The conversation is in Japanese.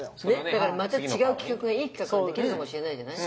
だからまた違う企画がいい企画ができるかもしれないじゃない。